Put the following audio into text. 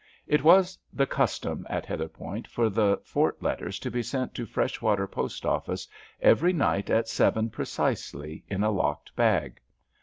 It was the custom at Heatherpoint for the fort letters to be sent to Freshwater post office every night at seven precisely in a locked bag.